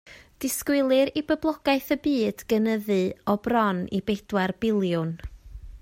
Disgwylir i boblogaeth y byd gynyddu o bron i bedwar biliwn.